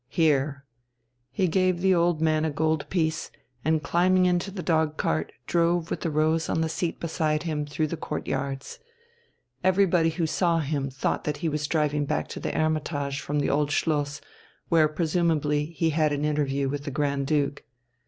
Here!" He gave the old man a gold piece, and climbing into the dogcart drove with the rose on the seat beside him through the courtyards. Everybody who saw him thought that he was driving back to the "Hermitage" from the Old Schloss, where presumably he had an interview with the Grand Duke.